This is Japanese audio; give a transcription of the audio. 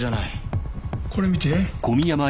これ見て。